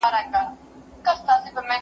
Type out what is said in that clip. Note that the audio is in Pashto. دا شپږ مرغان دي.